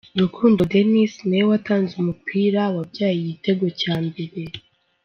Rukundo Denis ni we watanze umupira wabyaye igitego cya mbere.